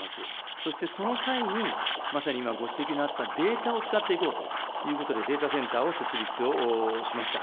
そしてその際にまさに今、ご指摘のあったデータを使っていこうということで、データセンターを設立をしました。